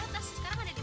mau ngajin menggeget